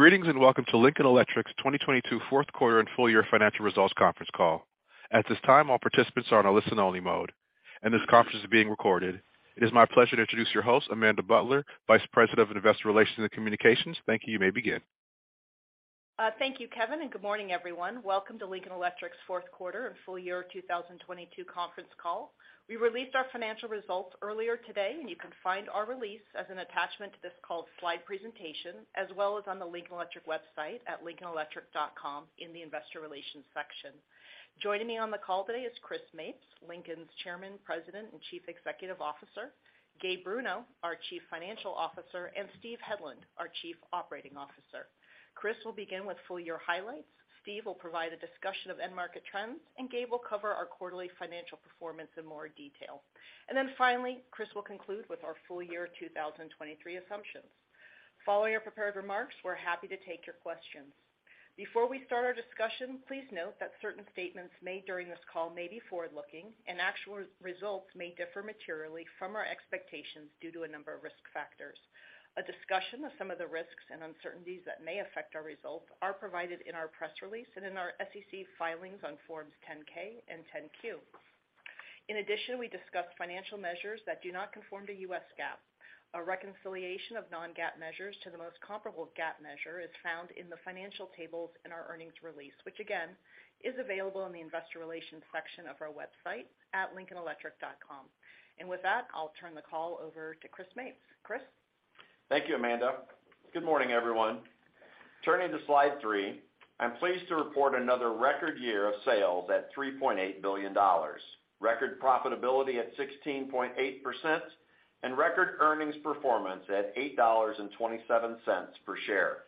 Greetings, welcome to Lincoln Electric's 2022 fourth quarter and full year financial results conference call. At this time, all participants are on a listen only mode, this conference is being recorded. It is my pleasure to introduce your host, Amanda Butler, Vice President of Investor Relations and Communications. Thank you. You may begin. Thank you, Kevin, and good morning, everyone. Welcome to Lincoln Electric's fourth quarter and full year 2022 conference call. We released our financial results earlier today, and you can find our release as an attachment to this call's slide presentation, as well as on the Lincoln Electric website at lincolnelectric.com in the investor relations section. Joining me on the call today is Chris Mapes, Lincoln's Chairman, President, and Chief Executive Officer, Gabe Bruno, our Chief Financial Officer, and Steve Hedlund, our Chief Operating Officer. Chris will begin with full year highlights. Steve will provide a discussion of end market trends, and Gabe will cover our quarterly financial performance in more detail. Then finally, Chris will conclude with our full year 2023 assumptions. Following our prepared remarks, we're happy to take your questions. Before we start our discussion, please note that certain statements made during this call may be forward-looking, and actual results may differ materially from our expectations due to a number of risk factors. A discussion of some of the risks and uncertainties that may affect our results are provided in our press release and in our SEC filings on Forms 10-K and 10-Q. In addition, we discuss financial measures that do not conform to U.S. GAAP. A reconciliation of non-GAAP measures to the most comparable GAAP measure is found in the financial tables in our earnings release, which again, is available in the investor relations section of our website at lincolnelectric.com. With that, I'll turn the call over to Chris Mapes. Chris? Thank you, Amanda. Good morning, everyone. Turning to slide three, I'm pleased to report another record year of sales at $3.8 billion, record profitability at 16.8%, and record earnings performance at $8.27 per share.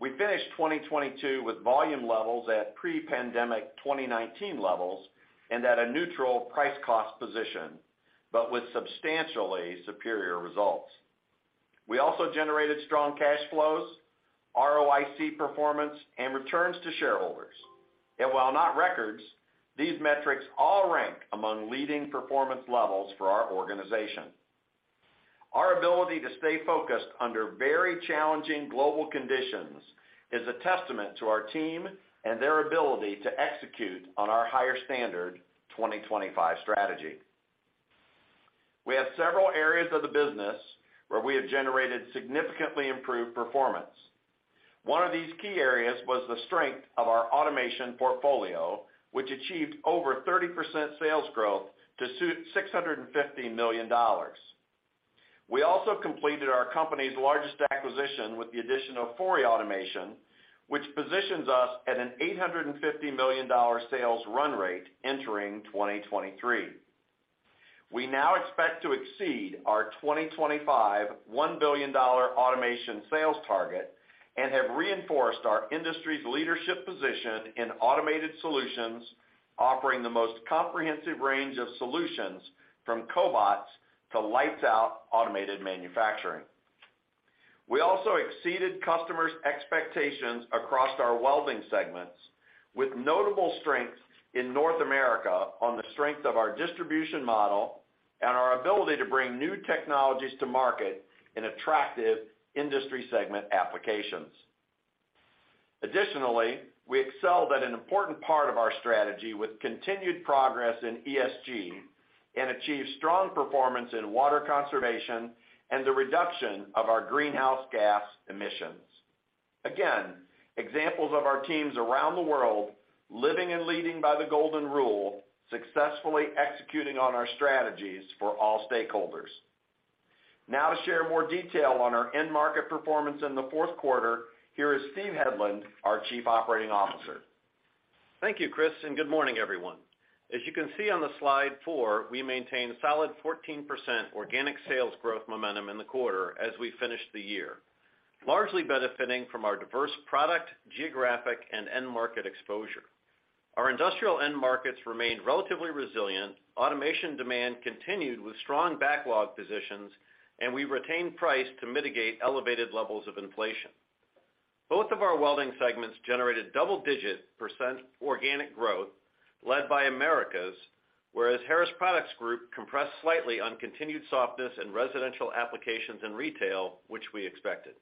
We finished 2022 with volume levels at pre-pandemic 2019 levels and at a neutral price cost position, but with substantially superior results. We also generated strong cash flows, ROIC performance, and returns to shareholders. While not records, these metrics all rank among leading performance levels for our organization. Our ability to stay focused under very challenging global conditions is a testament to our team and their ability to execute on our Higher Standard 2025 Strategy. We have several areas of the business where we have generated significantly improved performance. One of these key areas was the strength of our automation portfolio, which achieved over 30% sales growth to suit $650 million. We also completed our company's largest acquisition with the addition of Fori Automation, which positions us at an $850 million sales run rate entering 2023. We now expect to exceed our 2025 $1 billion automation sales target and have reinforced our industry's leadership position in automated solutions, offering the most comprehensive range of solutions from Cobots to lights out automated manufacturing. We also exceeded customers' expectations across our welding segments with notable strengths in North America on the strength of our distribution model and our ability to bring new technologies to market in attractive industry segment applications. Additionally, we excelled at an important part of our strategy with continued progress in ESG and achieved strong performance in water conservation and the reduction of our greenhouse gas emissions. Again, examples of our teams around the world living and leading by the Golden Rule, successfully executing on our strategies for all stakeholders. Now to share more detail on our end market performance in the fourth quarter, here is Steve Hedlund, our Chief Operating Officer. Thank you, Chris. Good morning, everyone. As you can see on the slide four, we maintained solid 14% organic sales growth momentum in the quarter as we finished the year, largely benefiting from our diverse product, geographic, and end market exposure. Our industrial end markets remained relatively resilient. Automation demand continued with strong backlog positions, and we retained price to mitigate elevated levels of inflation. Both of our welding segments generated double-digit % organic growth led by Americas, whereas Harris Products Group compressed slightly on continued softness in residential applications and retail, which we expected.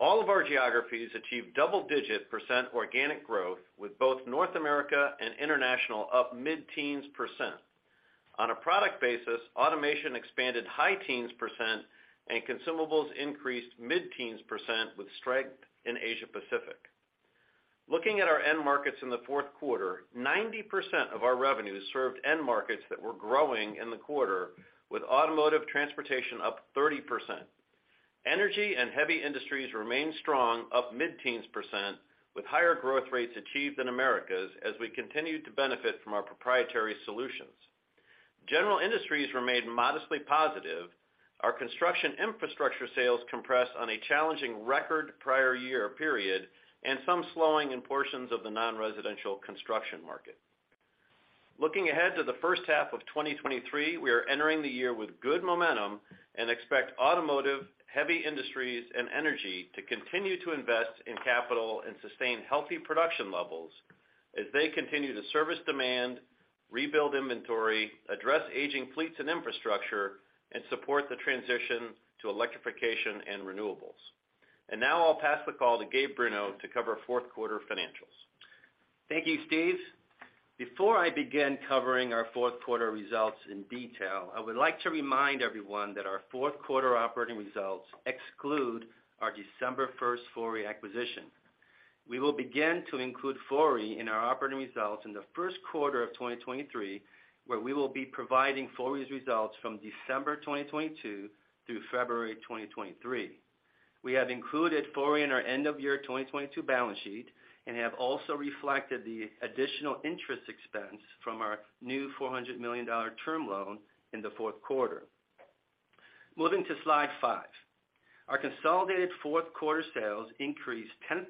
All of our geographies achieved double-digit % organic growth with both North America and International up mid-teens %. On a product basis, automation expanded high teens % and consumables increased mid-teens % with strength in Asia Pacific. Looking at our end markets in the fourth quarter, 90% of our revenues served end markets that were growing in the quarter with automotive transportation up 30%. Energy and heavy industries remained strong, up mid-teens %, with higher growth rates achieved in Americas as we continued to benefit from our proprietary solutions. General industries remained modestly positive. Our construction infrastructure sales compressed on a challenging record prior year period and some slowing in portions of the non-residential construction market. Looking ahead to the first half of 2023, we are entering the year with good momentum and expect automotive, heavy industries, and energy to continue to invest in capital and sustain healthy production levels as they continue to service demand, rebuild inventory, address aging fleets and infrastructure, and support the transition to electrification and renewables. Now I'll pass the call to Gabe Bruno to cover fourth quarter financials. Thank you, Steve. Before I begin covering our fourth quarter results in detail, I would like to remind everyone that our fourth quarter operating results exclude our December 1st Fori acquisition. We will begin to include Fori in our operating results in the first quarter of 2023, where we will be providing Fori's results from December 2022 through February 2023. We have included Fori in our end of year 2022 balance sheet and have also reflected the additional interest expense from our new $400 million term loan in the fourth quarter. Moving to slide five. Our consolidated fourth quarter sales increased 10%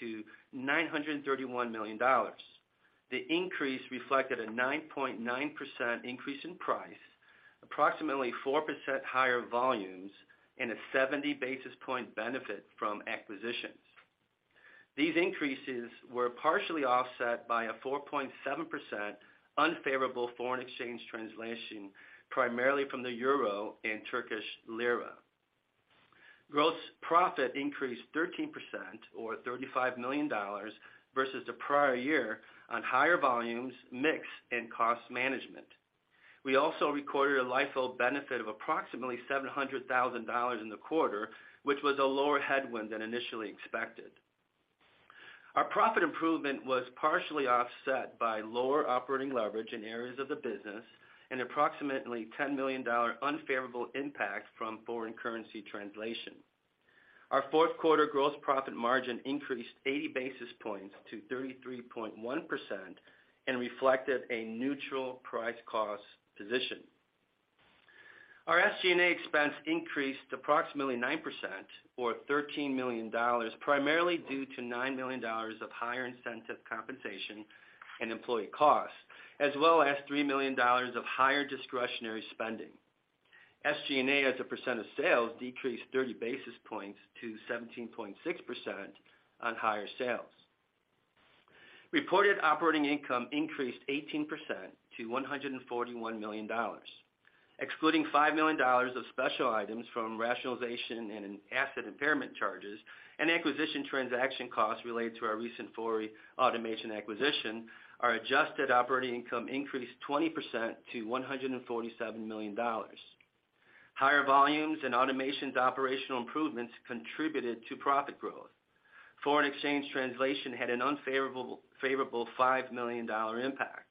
to $931 million. The increase reflected a 9.9% increase in price, approximately 4% higher volumes, and a 70 basis point benefit from acquisitions. These increases were partially offset by a 4.7% unfavorable foreign exchange translation, primarily from the euro and Turkish Lira. Gross profit increased 13% or $35 million versus the prior year on higher volumes, mix and cost management. We also recorded a LIFO benefit of approximately $700,000 in the quarter, which was a lower headwind than initially expected. Our profit improvement was partially offset by lower operating leverage in areas of the business and approximately $10 million unfavorable impact from foreign currency translation. Our fourth quarter gross profit margin increased 80 basis points to 33.1% and reflected a neutral price cost position. Our SG&A expense increased approximately 9% or $13 million, primarily due to $9 million of higher incentive compensation and employee costs, as well as $3 million of higher discretionary spending. SG&A, as a % of sales, decreased 30 basis points to 17.6% on higher sales. Reported operating income increased 18% to $141 million. Excluding $5 million of special items from rationalization and asset impairment charges and acquisition transaction costs related to our recent Fori Automation acquisition, our adjusted operating income increased 20% to $147 million. Higher volumes and automations operational improvements contributed to profit growth. Foreign exchange translation had a favorable $5 million impact.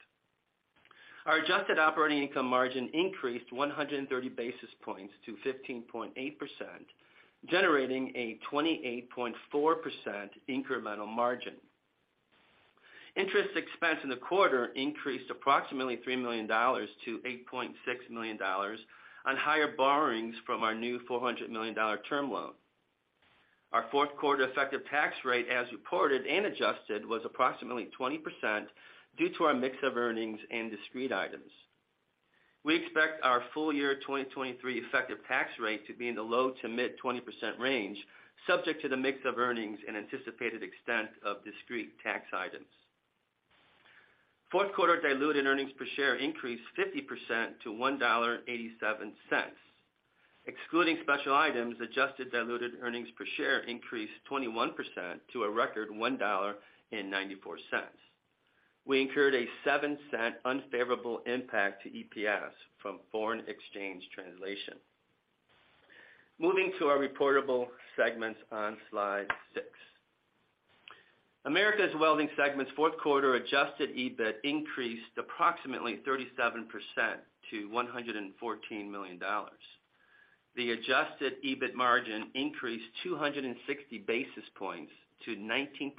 Our adjusted operating income margin increased 130 basis points to 15.8%, generating a 28.4% incremental margin. Interest expense in the quarter increased approximately $3 million-$8.6 million on higher borrowings from our new $400 million term loan. Our fourth quarter effective tax rate, as reported and adjusted, was approximately 20% due to our mix of earnings and discrete items. We expect our full year 2023 effective tax rate to be in the low to mid 20% range, subject to the mix of earnings and anticipated extent of discrete tax items. Fourth quarter diluted earnings per share increased 50% to $1.87. Excluding special items, adjusted diluted earnings per share increased 21% to a record $1.94. We incurred a $0.07 unfavorable impact to EPS from foreign exchange translation. Moving to our reportable segments on slide six. Americas Welding segment's fourth quarter adjusted EBIT increased approximately 37% to $114 million. The adjusted EBIT margin increased 260 basis points to 19%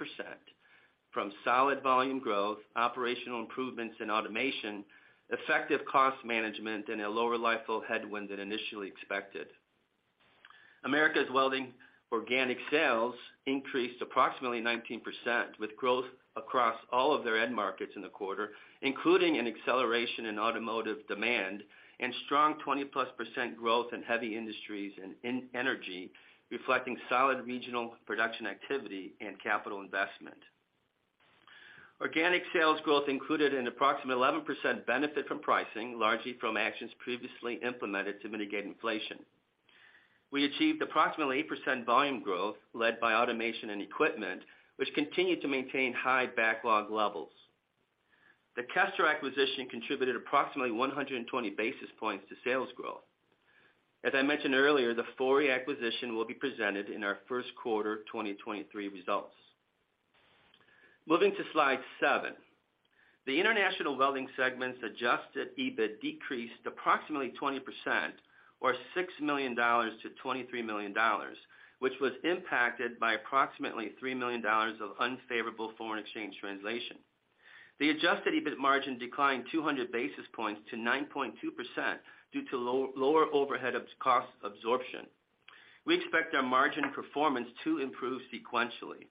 from solid volume growth, operational improvements in automation, effective cost management, and a lower LIFO headwind than initially expected. Americas Welding organic sales increased approximately 19%, with growth across all of their end markets in the quarter, including an acceleration in automotive demand and strong 20%+ growth in heavy industries and in energy, reflecting solid regional production activity and capital investment. Organic sales growth included an approximate 11% benefit from pricing, largely from actions previously implemented to mitigate inflation. We achieved approximately 8% volume growth led by automation and equipment, which continued to maintain high backlog levels. The Kestra acquisition contributed approximately 120 basis points to sales growth. As I mentioned earlier, the Fori acquisition will be presented in our first quarter 2023 results. Moving to slide seven. The International Welding segment's adjusted EBIT decreased approximately 20% or $6 million-$23 million, which was impacted by approximately $3 million of unfavorable foreign exchange translation. The adjusted EBIT margin declined 200 basis points to 9.2% due to lower overhead cost absorption. We expect our margin performance to improve sequentially.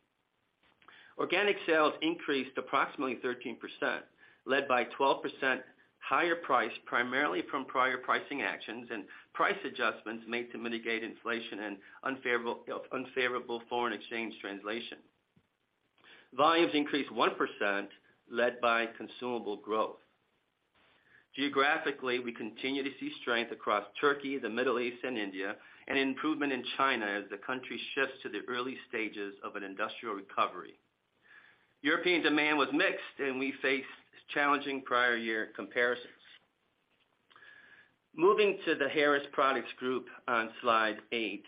Organic sales increased approximately 13%, led by 12% higher price primarily from prior pricing actions and price adjustments made to mitigate inflation and unfavorable foreign exchange translation. Volumes increased 1%, led by consumable growth. Geographically, we continue to see strength across Turkey, the Middle East, and India, and improvement in China as the country shifts to the early stages of an industrial recovery. European demand was mixed. We faced challenging prior year comparisons. Moving to The Harris Products Group on slide eight,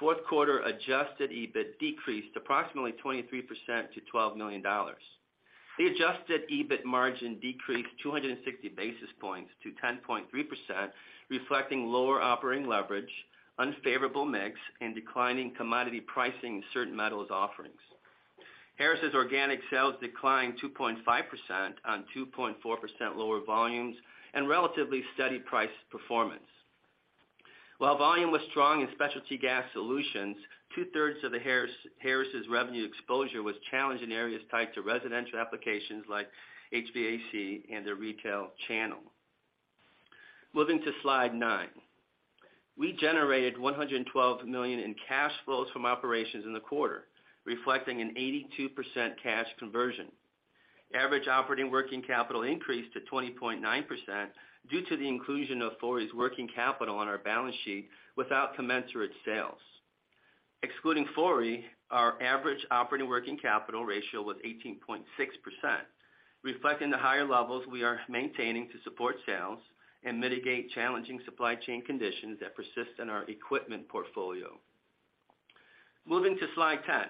fourth quarter adjusted EBIT decreased approximately 23% to $12 million. The adjusted EBIT margin decreased 260 basis points to 10.3%, reflecting lower operating leverage, unfavorable mix, and declining commodity pricing in certain metals offerings. Harris' organic sales declined 2.5% on 2.4% lower volumes and relatively steady price performance. While volume was strong in specialty gas solutions, 2/3 of the Harris' revenue exposure was challenged in areas tied to residential applications like HVAC and the retail channel. Moving to slide nine. We generated $112 million in cash flows from operations in the quarter, reflecting an 82% cash conversion. Average operating working capital increased to 20.9% due to the inclusion of Fori's working capital on our balance sheet without commensurate sales. Excluding Fori, our average operating working capital ratio was 18.6%, reflecting the higher levels we are maintaining to support sales and mitigate challenging supply chain conditions that persist in our equipment portfolio. Moving to slide 10.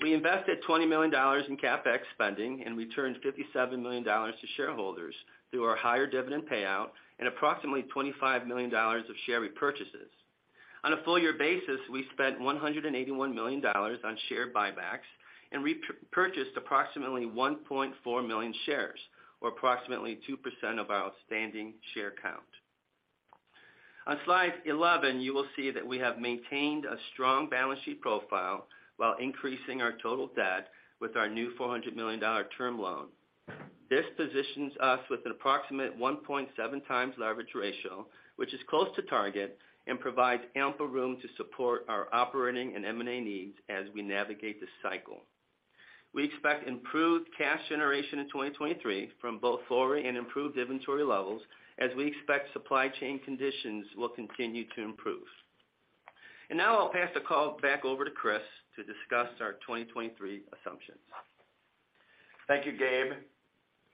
We invested $20 million in CapEx spending and returned $57 million to shareholders through our higher dividend payout and approximately $25 million of share repurchases. On a full year basis, we spent $181 million on share buybacks and repurchased approximately 1.4 million shares, or approximately 2% of our outstanding share count. On slide 11, you will see that we have maintained a strong balance sheet profile while increasing our total debt with our new $400 million term loan. This positions us with an approximate 1.7x leverage ratio, which is close to target and provides ample room to support our operating and M&A needs as we navigate this cycle. We expect improved cash generation in 2023 from both Fori and improved inventory levels, as we expect supply chain conditions will continue to improve. Now I'll pass the call back over to Chris to discuss our 2023 assumptions. Thank you, Gabe.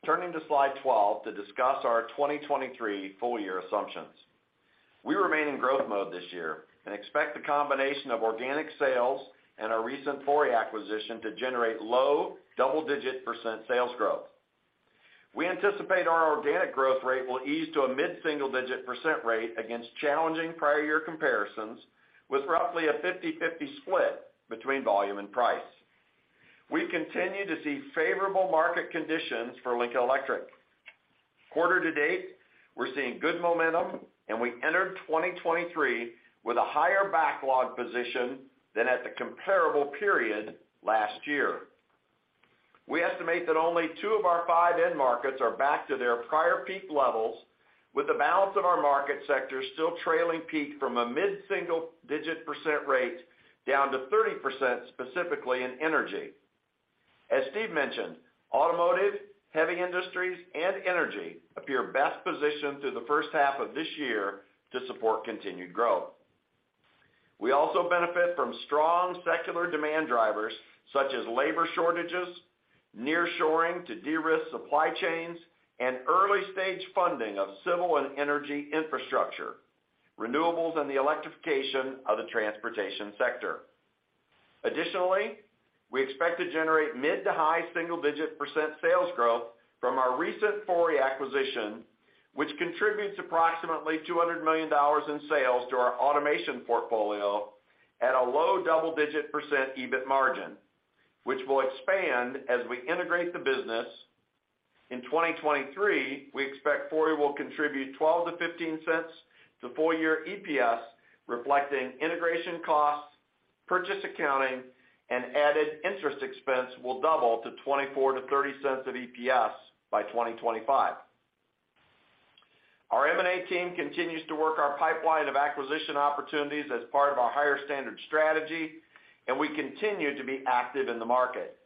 Turning to slide 12 to discuss our 2023 full year assumptions. We remain in growth mode this year and expect the combination of organic sales and our recent Fori acquisition to generate low double-digit % sales growth. We anticipate our organic growth rate will ease to a mid-single digit % rate against challenging prior-year comparisons with roughly a 50/50 split between volume and price. We continue to see favorable market conditions for Lincoln Electric. Quarter to date, we're seeing good momentum, and we entered 2023 with a higher backlog position than at the comparable period last year. We estimate that only two of our five end markets are back to their prior peak levels, with the balance of our market sectors still trailing peak from a mid-single digit % rate down to 30% specifically in energy. As Steve mentioned, automotive, heavy industries, and energy appear best positioned through the first half of this year to support continued growth. We also benefit from strong secular demand drivers such as labor shortages, nearshoring to de-risk supply chains, and early-stage funding of civil and energy infrastructure, renewables, and the electrification of the transportation sector. We expect to generate mid to high single-digit % sales growth from our recent Fori acquisition, which contributes approximately $200 million in sales to our automation portfolio at a low double-digit % EBIT margin, which will expand as we integrate the business. In 2023, we expect Fori will contribute $0.12-$0.15 to full year EPS, reflecting integration costs, purchase accounting, and added interest expense will double to $0.24-$0.30 of EPS by 2025. Our M&A team continues to work our pipeline of acquisition opportunities as part of our Higher Standard strategy. We continue to be active in the market.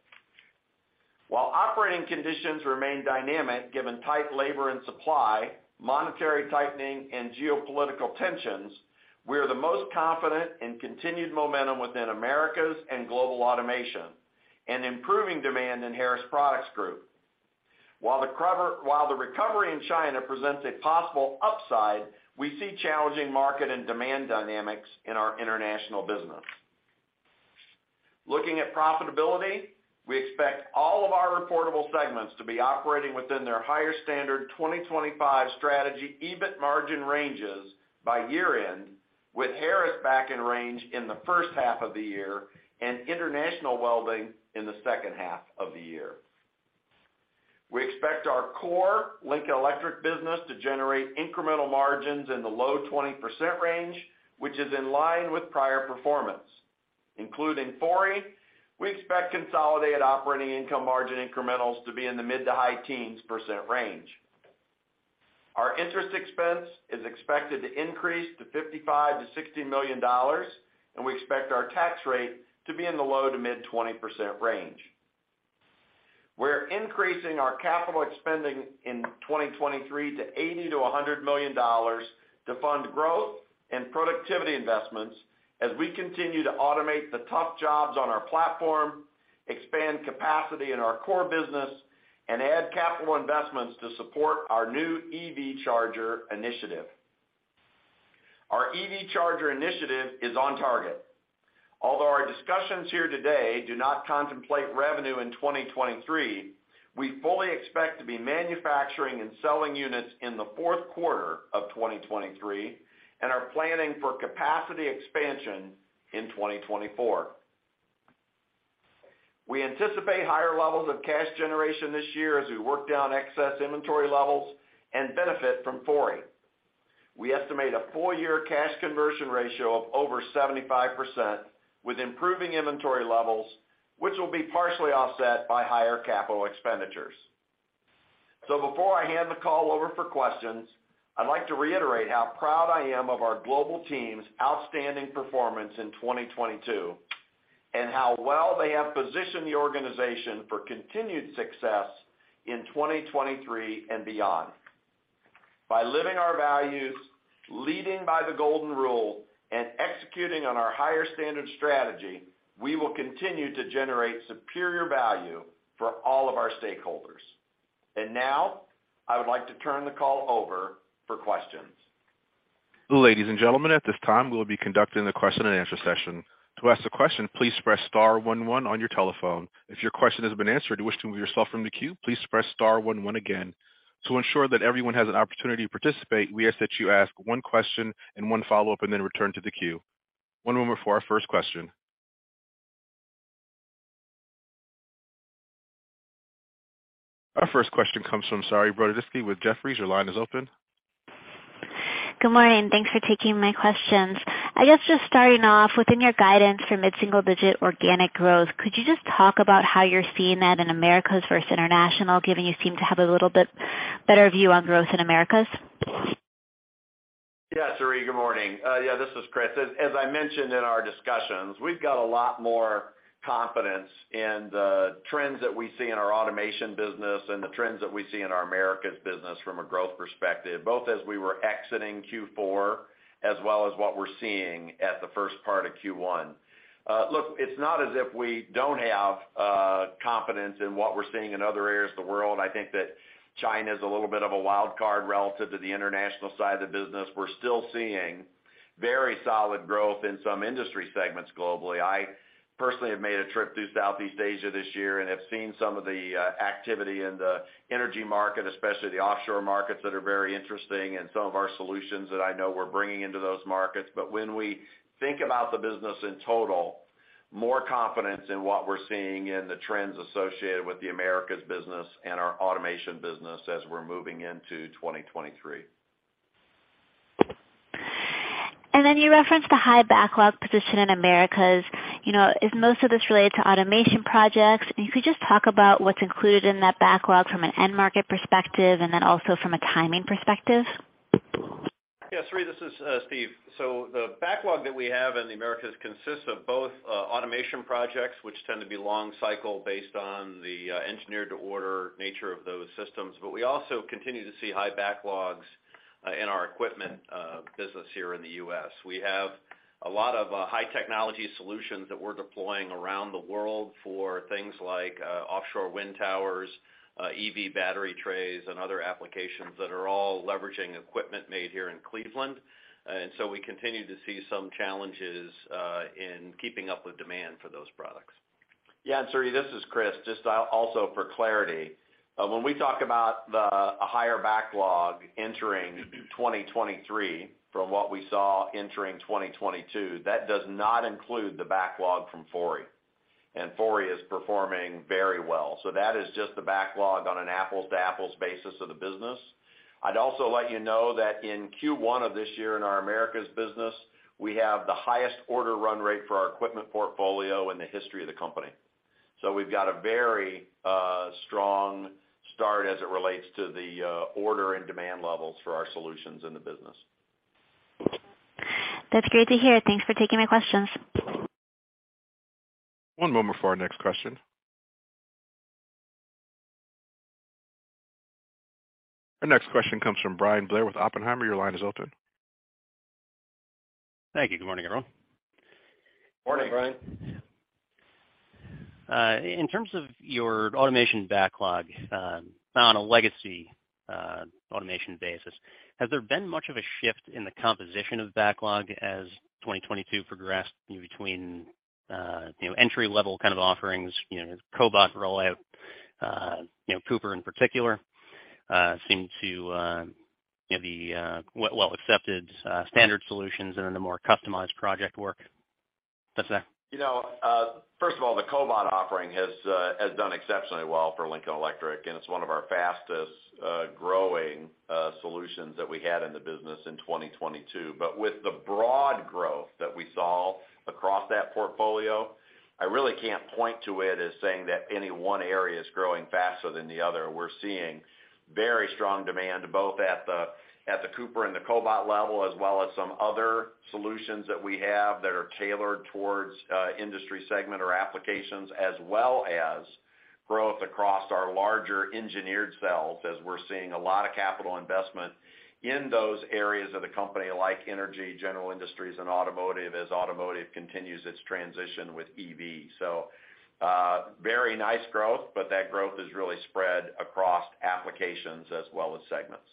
While operating conditions remain dynamic given tight labor and supply, monetary tightening, and geopolitical tensions, we are the most confident in continued momentum within Americas and Global Automation and improving demand in Harris Products Group. While the recovery in China presents a possible upside, we see challenging market and demand dynamics in our international business. Looking at profitability, we expect all of our reportable segments to be operating within their Higher Standard 2025 Strategy EBIT margin ranges by year-end, with Harris back in range in the first half of the year and International Welding in the second half of the year. We expect our core Lincoln Electric business to generate incremental margins in the low 20% range, which is in line with prior performance. Including Fori, we expect consolidated operating income margin incrementals to be in the mid-to-high teens % range. Our interest expense is expected to increase to $55 million-$60 million, and we expect our tax rate to be in the low-to-mid 20% range. We're increasing our CapEx in 2023 to $80 million-$100 million to fund growth and productivity investments as we continue to automate the tough jobs on our platform, expand capacity in our core business, and add capital investments to support our new EV charger initiative. Our EV charger initiative is on target. Although our discussions here today do not contemplate revenue in 2023, we fully expect to be manufacturing and selling units in the fourth quarter of 2023 and are planning for capacity expansion in 2024. We anticipate higher levels of cash generation this year as we work down excess inventory levels and benefit from Fori. We estimate a full year cash conversion ratio of over 75% with improving inventory levels, which will be partially offset by higher capital expenditures. Before I hand the call over for questions, I'd like to reiterate how proud I am of our global team's outstanding performance in 2022 and how well they have positioned the organization for continued success in 2023 and beyond. By living our values, leading by the Golden Rule, and executing on our Higher Standard strategy, we will continue to generate superior value for all of our stakeholders. Now, I would like to turn the call over for questions. Ladies and gentlemen, at this time, we'll be conducting the question and answer session. To ask a question, please press star one one on your telephone. If your question has been answered, or you wish to remove yourself from the queue, please press star one one again. To ensure that everyone has an opportunity to participate, we ask that you ask one question and one follow-up and then return to the queue. One moment for our first question. Our first question comes from Saree Boroditsky with Jefferies. Your line is open. Good morning. Thanks for taking my questions. I guess just starting off, within your guidance for mid-single digit organic growth, could you just talk about how you're seeing that in Americas versus International, given you seem to have a little bit better view on growth in Americas? Saree, good morning. This is Chris. As I mentioned in our discussions, we've got a lot more confidence in the trends that we see in our automation business and the trends that we see in our Americas business from a growth perspective, both as we were exiting Q4 as well as what we're seeing at the first part of Q1. Look, it's not as if we don't have confidence in what we're seeing in other areas of the world. I think that China is a little bit of a wild card relative to the International side of the business. We're still seeing very solid growth in some industry segments globally. I personally have made a trip through Southeast Asia this year and have seen some of the activity in the energy market, especially the offshore markets that are very interesting and some of our solutions that I know we're bringing into those markets. When we think about the business in total, more confidence in what we're seeing in the trends associated with the Americas business and our automation business as we're moving into 2023. You referenced the high backlog position in Americas. You know, is most of this related to automation projects? If you could just talk about what's included in that backlog from an end market perspective and then also from a timing perspective? Saree, this is Steve. The backlog that we have in the Americas consists of both automation projects, which tend to be long cycle based on the engineer to order nature of those systems. We also continue to see high backlogs in our equipment business here in the U.S. We have a lot of high technology solutions that we're deploying around the world for things like offshore wind towers, EV battery trays, and other applications that are all leveraging equipment made here in Cleveland. We continue to see some challenges in keeping up with demand for those products. Saree, this is Chris. Just also for clarity, when we talk about a higher backlog entering 2023 from what we saw entering 2022, that does not include the backlog from Fori. Fori is performing very well. That is just the backlog on an apples-to-apples basis of the business. I'd also let you know that in Q1 of this year in our Americas business, we have the highest order run rate for our equipment portfolio in the history of the company. We've got a very strong start as it relates to the order and demand levels for our solutions in the business. That's great to hear. Thanks for taking my questions. One moment for our next question. Our next question comes from Bryan Blair with Oppenheimer. Your line is open. Thank you. Good morning, everyone. Morning, Bryan. In terms of your automation backlog, on a legacy automation basis, has there been much of a shift in the composition of backlog as 2022 progressed between, you know, entry-level kind of offerings, you know, Cobot rollout, you know, Cooper in particular, seemed to, you know, be well accepted standard solutions and in a more customized project work? That's it. You know, first of all, the Cobot offering has done exceptionally well for Lincoln Electric. It's one of our fastest growing solutions that we had in the business in 2022. With the broad growth that we saw across that portfolio, I really can't point to it as saying that any one area is growing faster than the other. We're seeing very strong demand both at the Cooper and the Cobot level, as well as some other solutions that we have that are tailored towards industry segment or applications, as well as growth across our larger engineered cells as we're seeing a lot of capital investment in those areas of the company, like energy, general industries, and automotive, as automotive continues its transition with EV. Very nice growth, but that growth is really spread across applications as well as segments.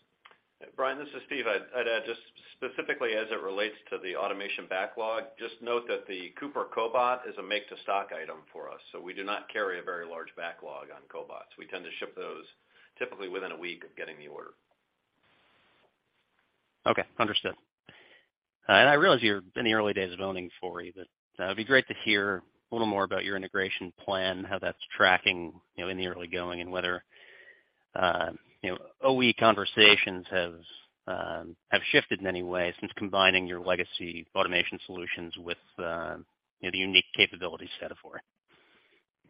Bryan, this is Steve. I'd add just specifically as it relates to the automation backlog, just note that the Cooper Cobot is a make-to-stock item for us. We do not carry a very large backlog on Cobots. We tend to ship those typically within a week of getting the order. Okay. Understood. I realize you're in the early days of owning Fori, but it'd be great to hear a little more about your integration plan, how that's tracking, you know, in the early going, and whether, you know, OE conversations have shifted in any way since combining your legacy automation solutions with, you know, the unique capability set of Fori?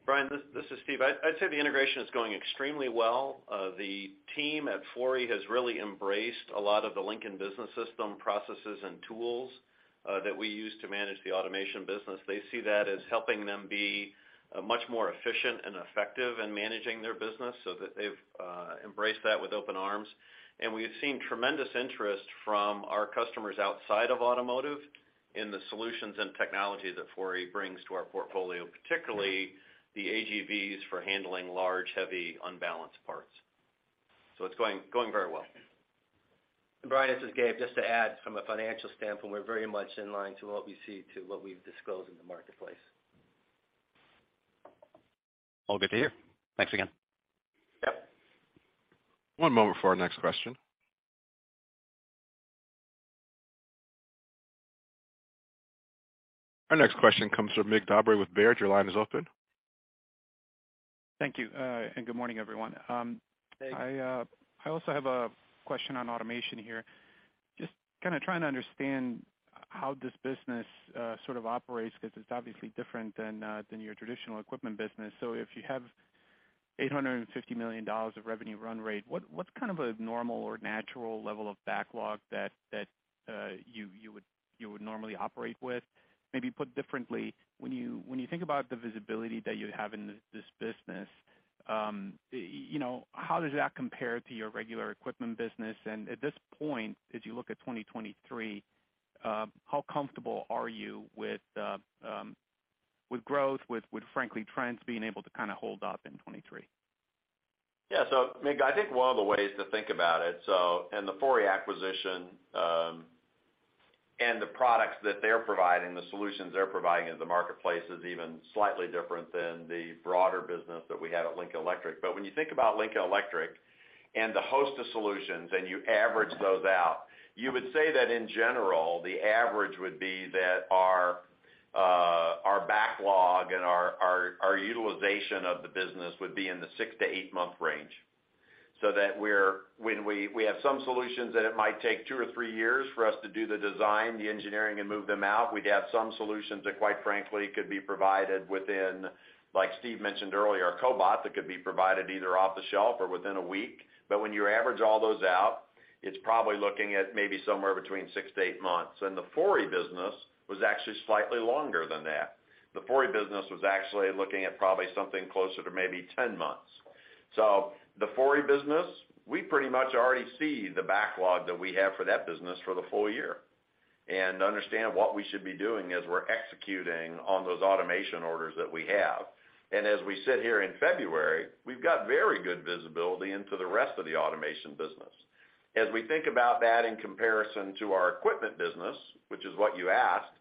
Bryan, this is Steve. I'd say the integration is going extremely well. The team at Fori has really embraced a lot of the Lincoln Business System processes and tools that we use to manage the automation business. They see that as helping them be much more efficient and effective in managing their business so that they've embraced that with open arms. We've seen tremendous interest from our customers outside of automotive in the solutions and technology that Fori brings to our portfolio, particularly the AGVs for handling large, heavy, unbalanced parts. It's going very well. Bryan, this is Gabe. Just to add from a financial standpoint, we're very much in line to what we see to what we've disclosed in the marketplace. Well, good to hear. Thanks again. Yep. One moment for our next question. Our next question comes from Mig Dobre with Baird. Your line is open. Thank you, and good morning, everyone. Hey I also have a question on automation here. Just kinda trying to understand how this business sort of operates, 'cause it's obviously different than your traditional equipment business. If you have $850 million of revenue run rate, what's kind of a normal or natural level of backlog that you would normally operate with? Maybe put differently, when you think about the visibility that you have in this business, you know, how does that compare to your regular equipment business? At this point, as you look at 2023, how comfortable are you with growth, with frankly trends being able to kinda hold up in 2023? Yeah. Mig, I think one of the ways to think about it, and the Fori acquisition, and the products that they're providing, the solutions they're providing in the marketplace is even slightly different than the broader business that we have at Lincoln Electric. When you think about Lincoln Electric and the host of solutions, and you average those out, you would say that in general, the average would be that our backlog and our utilization of the business would be in the six to eight month range. That when we have some solutions that it might take two or three years for us to do the design, the engineering, and move them out. We'd have some solutions that quite frankly could be provided within, like Steve mentioned earlier, our Cobot, that could be provided either off the shelf or within a week. When you average all those out, it's probably looking at maybe somewhere between six to eight months. The Fori business was actually slightly longer than that. The Fori business was actually looking at probably something closer to maybe 10 months. The Fori business, we pretty much already see the backlog that we have for that business for the full year, and understand what we should be doing as we're executing on those automation orders that we have. As we sit here in February, we've got very good visibility into the rest of the automation business. As we think about that in comparison to our equipment business, which is what you asked,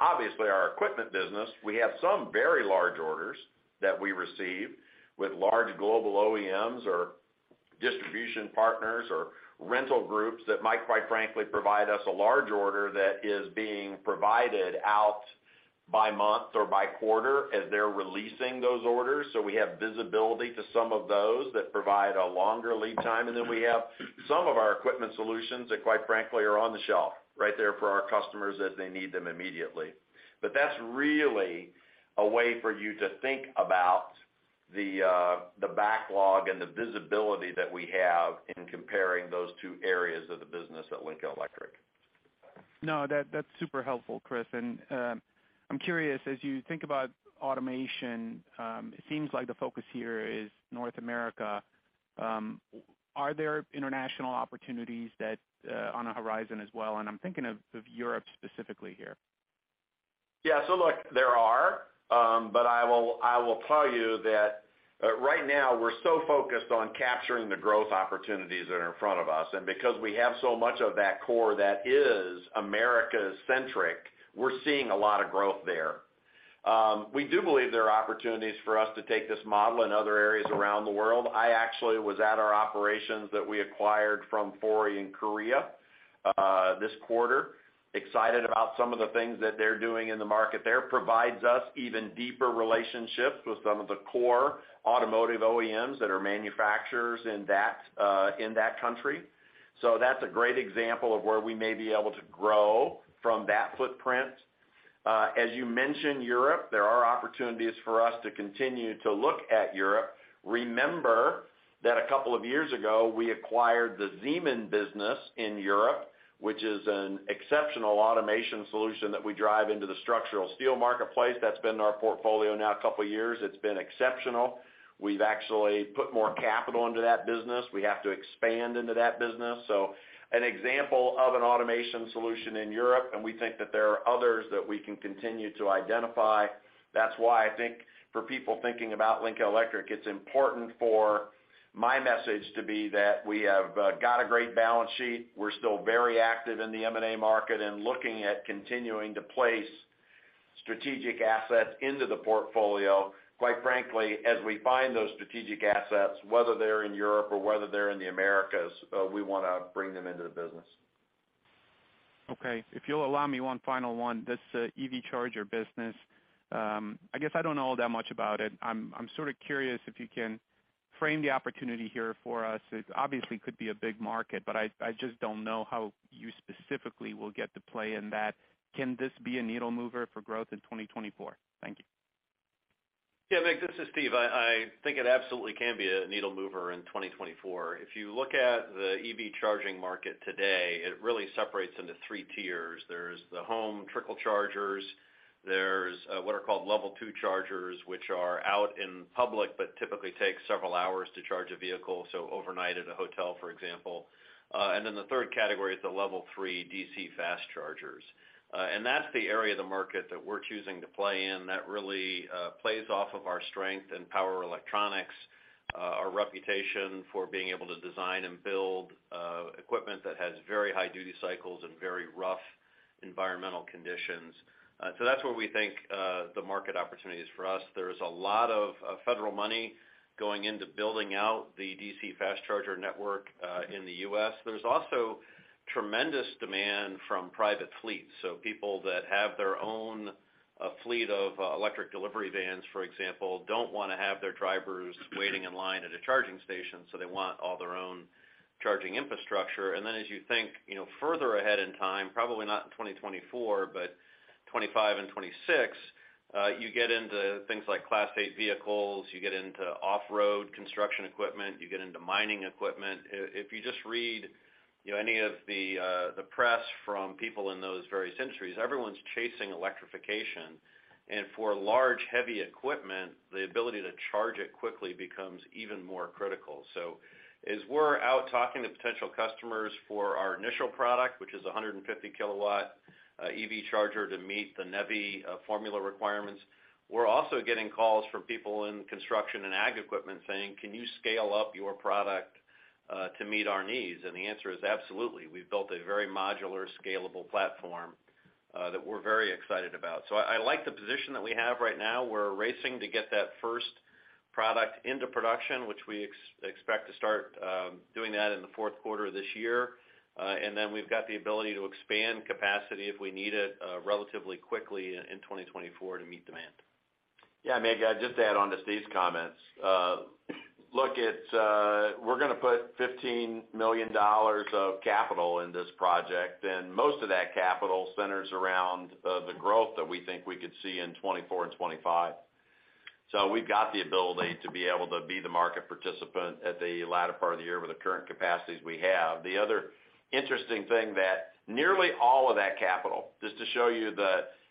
obviously, our equipment business, we have some very large orders that we receive with large global OEMs or distribution partners or rental groups that might, quite frankly, provide us a large order that is being provided out by month or by quarter as they're releasing those orders. We have visibility to some of those that provide a longer lead time, and then we have some of our equipment solutions that quite frankly are on the shelf, right there for our customers as they need them immediately. That's really a way for you to think about the backlog and the visibility that we have in comparing those two areas of the business at Lincoln Electric. No, that's super helpful, Chris. I'm curious, as you think about automation, it seems like the focus here is North America. Are there international opportunities that on the horizon as well? I'm thinking of Europe specifically here. Yeah. Look, there are, but I will tell you that, right now we're so focused on capturing the growth opportunities that are in front of us. Because we have so much of that core that is America-centric, we're seeing a lot of growth there. We do believe there are opportunities for us to take this model in other areas around the world. I actually was at our operations that we acquired from Fori in Korea, this quarter. Excited about some of the things that they're doing in the market there. Provides us even deeper relationships with some of the core automotive OEMs that are manufacturers in that country. That's a great example of where we may be able to grow from that footprint. As you mentioned Europe, there are opportunities for us to continue to look at Europe. Remember that a couple of years ago, we acquired the Zeman in Europe, which is an exceptional automation solution that we drive into the structural steel marketplace. That's been in our portfolio now a couple of years. It's been exceptional. We've actually put more capital into that business. We have to expand into that business. An example of an automation solution in Europe, and we think that there are others that we can continue to identify. That's why I think for people thinking about Lincoln Electric, it's important for my message to be that we have got a great balance sheet. We're still very active in the M&A market and looking at continuing to place strategic assets into the portfolio. Quite frankly, as we find those strategic assets, whether they're in Europe or whether they're in the Americas, we wanna bring them into the business. Okay. If you'll allow me one final one. This EV charger business, I guess I don't know all that much about it. I'm sorta curious if you can frame the opportunity here for us. It obviously could be a big market, I just don't know how you specifically will get to play in that. Can this be a needle mover for growth in 2024? Thank you. Yeah, Mig, this is Steve. I think it absolutely can be a needle mover in 2024. If you look at the EV charging market today, it really separates into three tiers. There's the home trickle chargers. There's what are called Level 2 chargers, which are out in public, but typically take several hours to charge a vehicle, so overnight at a hotel, for example. Then the 3rd category is the Level 3 DC fast chargers. That's the area of the market that we're choosing to play in that really plays off of our strength in power electronics, our reputation for being able to design and build equipment that has very high duty cycles and very rough environmental conditions. That's where we think the market opportunity is for us. There's a lot of federal money going into building out the D.C. fast charger network in the U.S. There's also tremendous demand from private fleets. People that have their own fleet of electric delivery vans, for example, don't wanna have their drivers waiting in line at a charging station, they want all their own charging infrastructure. As you think, you know, further ahead in time, probably not in 2024, but 2025 and 2026, you get into things like Class 8 vehicles, you get into off-road construction equipment, you get into mining equipment. If you just read, you know, any of the press from people in those various industries, everyone's chasing electrification. For large, heavy equipment, the ability to charge it quickly becomes even more critical. As we're out talking to potential customers for our initial product, which is 150 kW EV charger to meet the NEVI formula requirements, we're also getting calls from people in construction and AG equipment saying, "Can you scale up your product to meet our needs?" The answer is absolutely. We've built a very modular, scalable platform that we're very excited about. I like the position that we have right now. We're racing to get that first product into production, which we expect to start doing that in the fourth quarter of this year. Then we've got the ability to expand capacity if we need it relatively quickly in 2024 to meet demand. Yeah, Mig, I'll just add onto Steve's comments. Look, it's. We're gonna put $15 million of capital in this project, and most of that capital centers around the growth that we think we could see in 2024 and 2025. We've got the ability to be able to be the market participant at the latter part of the year with the current capacities we have. The other interesting thing that nearly all of that capital, just to show you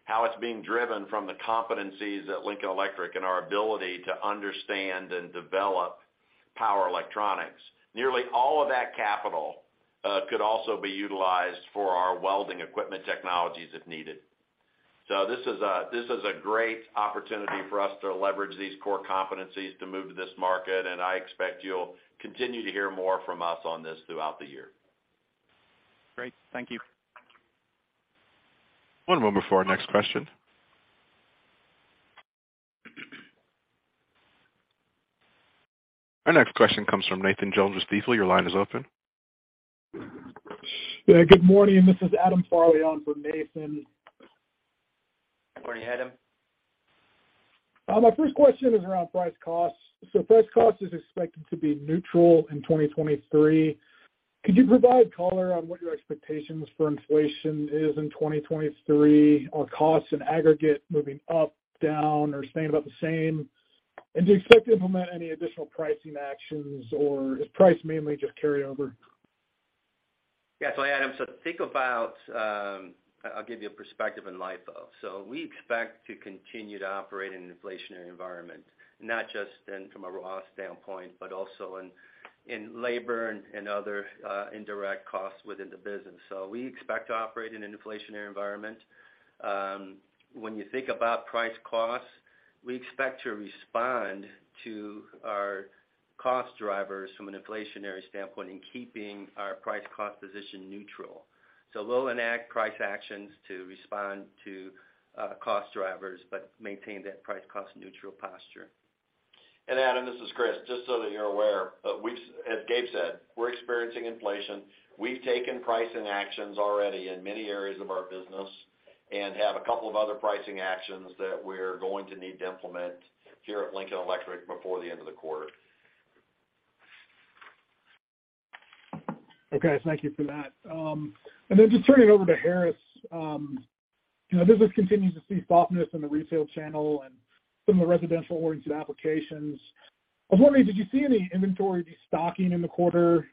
how it's being driven from the competencies at Lincoln Electric and our ability to understand and develop power electronics, nearly all of that capital could also be utilized for our welding equipment technologies, if needed. This is a great opportunity for us to leverage these core competencies to move to this market, and I expect you'll continue to hear more from us on this throughout the year. Great. Thank you. One moment for our next question. Our next question comes from Nathan Jones with Stifel Your line is open. Yeah, good morning. This is Adam Farley on for Nathan. Good morning, Adam. My first question is around price costs. Price cost is expected to be neutral in 2023. Could you provide color on what your expectations for inflation is in 2023 on costs in aggregate moving up, down, or staying about the same? Do you expect to implement any additional pricing actions, or is price mainly just carry over? Adam, I'll give you a perspective in LIFO. We expect to continue to operate in an inflationary environment, not just then from a raw standpoint, but also in labor and other indirect costs within the business. We expect to operate in an inflationary environment. When you think about price costs, we expect to respond to our cost drivers from an inflationary standpoint in keeping our price cost position neutral. We'll enact price actions to respond to cost drivers but maintain that price cost neutral posture. Adam, this is Chris. Just so that you're aware, as Gabe said, we're experiencing inflation. We've taken pricing actions already in many areas of our business and have a couple of other pricing actions that we're going to need to implement here at Lincoln Electric before the end of the quarter. Okay. Thank you for that. Just turning it over to Harris. You know, business continues to see softness in the retail channel and some of the residential-oriented applications. I was wondering, did you see any inventory destocking in the quarter,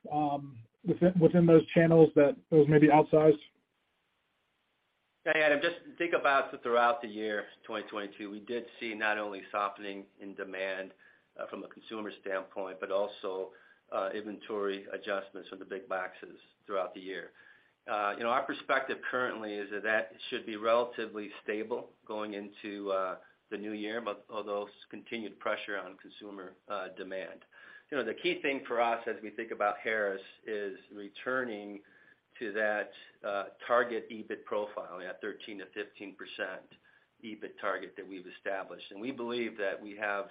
within those channels that was maybe outsized? Yeah, Adam, just think about throughout the year 2022, we did see not only softening in demand from a consumer standpoint, but also inventory adjustments from the big boxes throughout the year. You know, our perspective currently is that should be relatively stable going into the new year, but although continued pressure on consumer demand. You know, the key thing for us as we think about Harris is returning to that target EBIT profile, that 13%-15% EBIT target that we've established. We believe that we have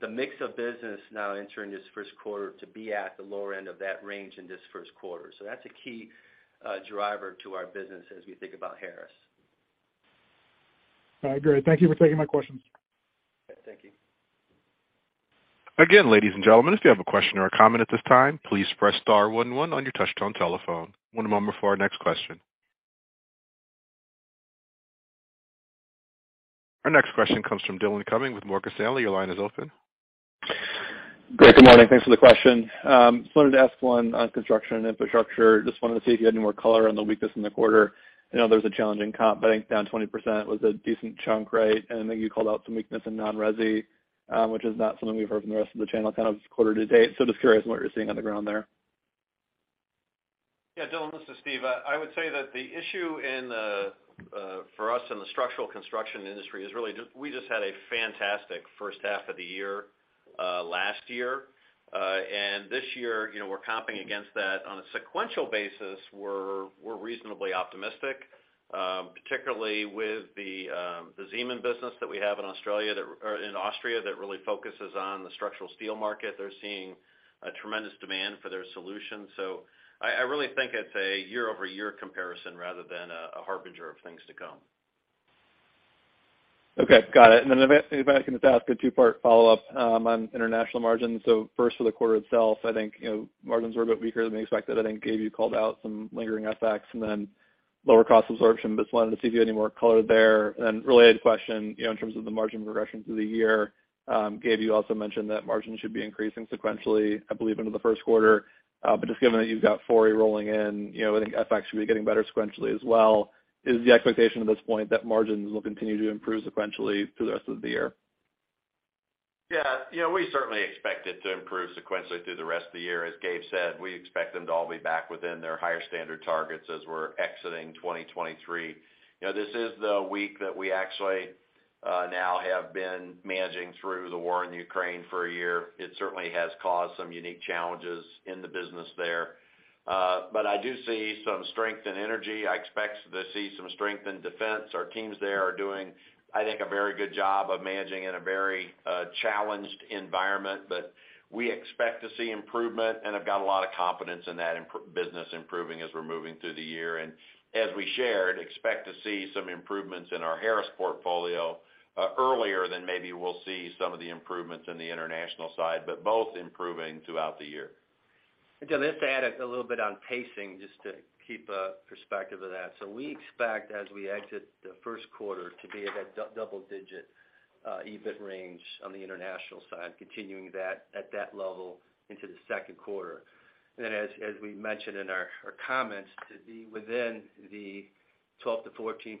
the mix of business now entering this first quarter to be at the lower end of that range in this first quarter. That's a key driver to our business as we think about Harris. All right, great. Thank you for taking my questions. Thank you. Again, ladies and gentlemen, if you have a question or a comment at this time, please press star one one on your touchtone telephone. One moment for our next question. Our next question comes from Dillon Cumming with Morgan Stanley. Your line is open. Great, good morning. Thanks for the question. Just wanted to ask one on construction and infrastructure. Just wanted to see if you had any more color on the weakness in the quarter. I know there was a challenging comp, I think down 20% was a decent chunk, right? I think you called out some weakness in non-resi, which is not something we've heard from the rest of the channel kind of quarter to date. Just curious on what you're seeing on the ground there. Yeah. Dillon, this is Steve. I would say that the issue in the for us in the structural construction industry is really just we just had a fantastic first half of the year last year. This year, you know, we're comping against that on a sequential basis, we're reasonably optimistic, particularly with the Zeman business that we have in Austria that, or in Austria that really focuses on the structural steel market. They're seeing a tremendous demand for their solution. I really think it's a year-over-year comparison rather than a harbinger of things to come. Okay. Got it. If I can just ask a two-part follow-up, on international margins. First for the quarter itself, I think, you know, margins were a bit weaker than we expected. I think Gabe, you called out some lingering FX and then lower cost absorption. Just wanted to see if you had any more color there. Related question, you know, in terms of the margin progression through the year, Gabe, you also mentioned that margins should be increasing sequentially, I believe, into the first quarter. Given that you've got Fori rolling in, you know, I think FX should be getting better sequentially as well. Is the expectation at this point that margins will continue to improve sequentially through the rest of the year? Yeah. You know, we certainly expect it to improve sequentially through the rest of the year. As Gabe said, we expect them to all be back within their Higher Standard targets as we're exiting 2023. You know, this is the week that we actually now have been managing through the war in Ukraine for a year. It certainly has caused some unique challenges in the business there. I do see some strength and energy. I expect to see some strength in defense. Our teams there are doing, I think, a very good job of managing in a very challenged environment. We expect to see improvement, and I've got a lot of confidence in that business improving as we're moving through the year. As we shared, expect to see some improvements in our Harris portfolio earlier than maybe we'll see some of the improvements in the international side, but both improving throughout the year. Dylan, just to add a little bit on pacing, just to keep a perspective of that. We expect as we exit the first quarter to be at that double-digit EBIT range on the international side, continuing that at that level into the second quarter. As we mentioned in our comments, to be within the 12%-14%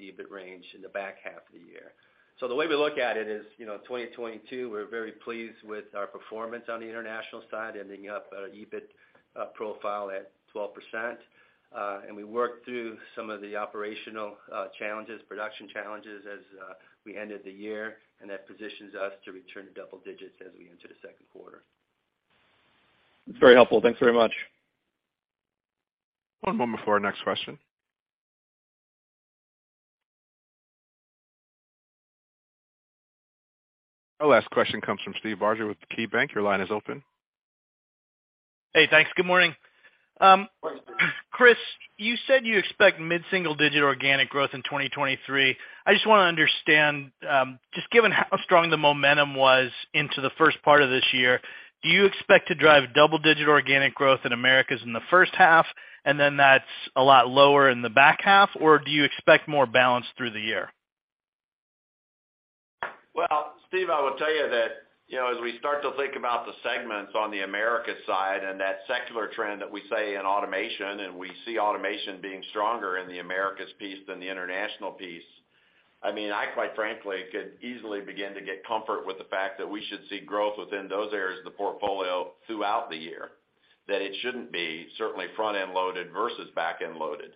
EBIT range in the back half of the year. The way we look at it is, you know, 2022, we're very pleased with our performance on the international side, ending up an EBIT profile at 12%. We worked through some of the operational challenges, production challenges as we ended the year, and that positions us to return to double digits as we enter the second quarter. That's very helpful. Thanks very much. One moment for our next question. Our last question comes from Steve Barger with KeyBanc. Your line is open. Hey, thanks. Good morning. Chris, you said you expect mid-single digit organic growth in 2023. I just wanna understand, just given how strong the momentum was into the first part of this year, do you expect to drive double-digit organic growth in Americas in the first half, and then that's a lot lower in the back half, or do you expect more balance through the year? Well, Steve, I will tell you that, you know, as we start to think about the segments on the Americas side and that secular trend that we say in automation, and we see automation being stronger in the Americas piece than the international piece. I mean, I quite frankly could easily begin to get comfort with the fact that we should see growth within those areas of the portfolio throughout the year. That it shouldn't be certainly front-end loaded versus back-end loaded.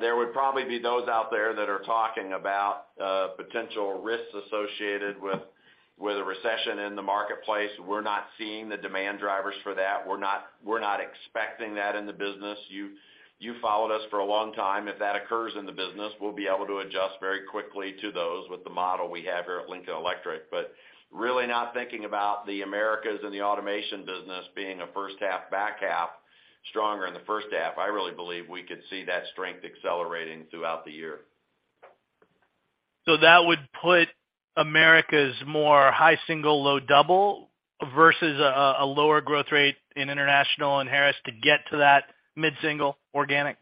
There would probably be those out there that are talking about potential risks associated with a recession in the marketplace. We're not seeing the demand drivers for that. We're not expecting that in the business. You followed us for a long time. If that occurs in the business, we'll be able to adjust very quickly to those with the model we have here at Lincoln Electric. Really not thinking about the Americas and the automation business being a first half, back half, stronger in the first half. I really believe we could see that strength accelerating throughout the year. That would put Americas more high single, low double versus a lower growth rate in International and Harris to get to that mid-single organic.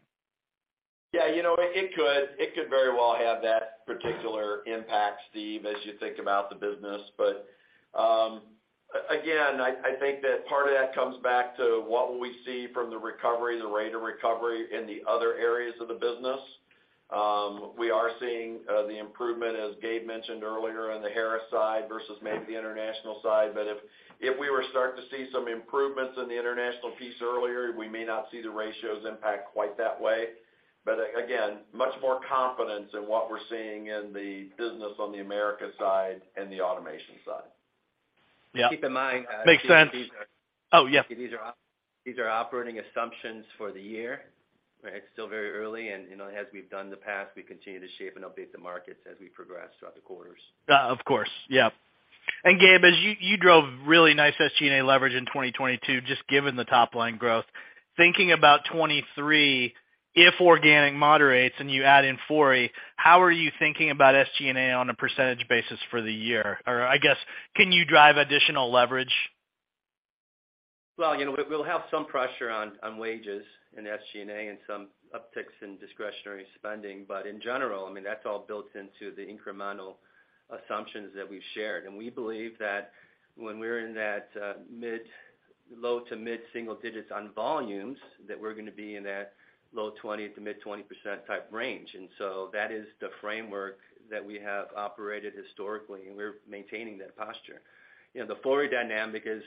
Yeah. You know, it could very well have that particular impact, Steve, as you think about the business. Again, I think that part of that comes back to what will we see from the recovery, the rate of recovery in the other areas of the business. We are seeing the improvement, as Gabe mentioned earlier, on the Harris side versus maybe the International side. If we were starting to see some improvements in the International piece earlier, we may not see the ratios impact quite that way. Again, much more confidence in what we're seeing in the business on the Americas side and the automation side. Yeah. Keep in mind, Steve. Makes sense. Oh, yeah. These are operating assumptions for the year, right? It's still very early and, you know, as we've done in the past, we continue to shape and update the markets as we progress throughout the quarters. Of course. Yeah. Gabe, as you drove really nice SG&A leverage in 2022, just given the top line growth. Thinking about 2023, if organic moderates and you add in Fori, how are you thinking about SG&A on a percentage basis for the year? Or I guess, can you drive additional leverage? Well, you know, we'll have some pressure on wages in SG&A and some upticks in discretionary spending, but in general, I mean, that's all built into the incremental assumptions that we've shared. We believe that when we're in that, low to mid single digits on volumes, that we're gonna be in that low 20%-mid 20% type range. That is the framework that we have operated historically, and we're maintaining that posture. You know, the Fori dynamic is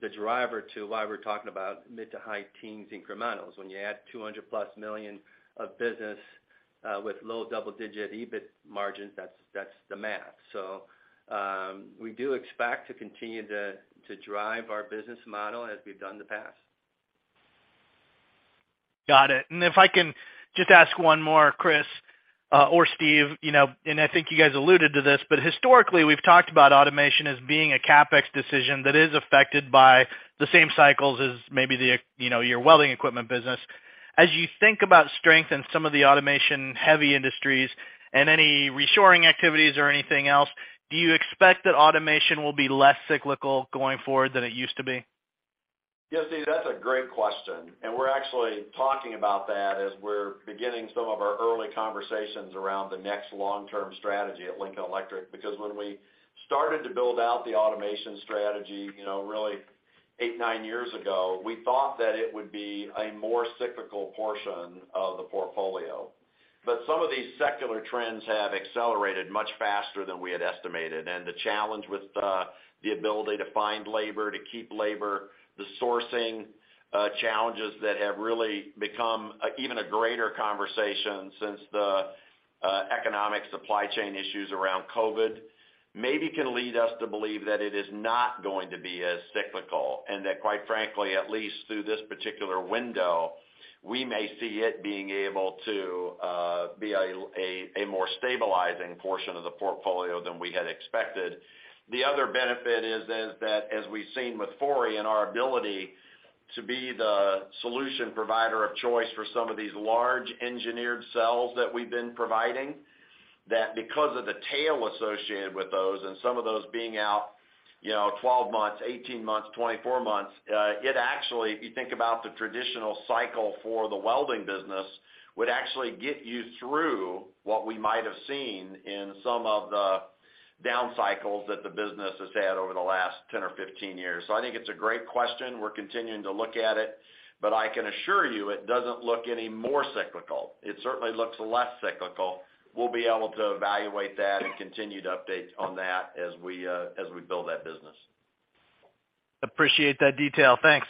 the driver to why we're talking about mid to high teens incrementals. When you add $200+ million of business with low double-digit EBIT margins, that's the math. We do expect to continue to drive our business model as we've done in the past. Got it. If I can just ask one more, Chris, or Steve, you know, and I think you guys alluded to this, but historically, we've talked about automation as being a CapEx decision that is affected by the same cycles as maybe the, you know, your welding equipment business. As you think about strength in some of the automation-heavy industries and any reshoring activities or anything else, do you expect that automation will be less cyclical going forward than it used to be? Yeah, Steve, that's a great question, and we're actually talking about that as we're beginning some of our early conversations around the next long-term strategy at Lincoln Electric. When we started to build out the automation strategy, you know, really eight, nine years ago, we thought that it would be a more cyclical portion of the portfolio. Some of these secular trends have accelerated much faster than we had estimated, and the challenge with the ability to find labor, to keep labor, the sourcing challenges that have really become even a greater conversation since the economic supply chain issues around COVID, maybe can lead us to believe that it is not going to be as cyclical, and that quite frankly, at least through this particular window, we may see it being able to be a more stabilizing portion of the portfolio than we had expected. The other benefit is that as we've seen with Fori and our ability to be the solution provider of choice for some of these large engineered cells that we've been providing, that because of the tail associated with those and some of those being out, you know, 12 months, 18 months, 24 months, it actually, if you think about the traditional cycle for the welding business, would actually get you through what we might have seen in some of the down cycles that the business has had over the last 10 or 15 years. I think it's a great question. We're continuing to look at it, but I can assure you it doesn't look any more cyclical. It certainly looks less cyclical. We'll be able to evaluate that and continue to update on that as we, as we build that business. Appreciate that detail. Thanks.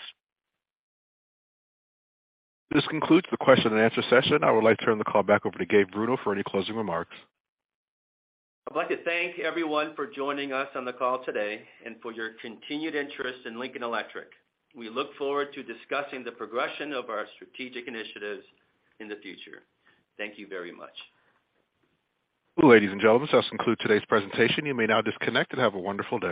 This concludes the question and answer session. I would like to turn the call back over to Gabe Bruno for any closing remarks. I'd like to thank everyone for joining us on the call today, and for your continued interest in Lincoln Electric. We look forward to discussing the progression of our strategic initiatives in the future. Thank you very much. Ladies and gentlemen, this does conclude today's presentation. You may now disconnect and have a wonderful day.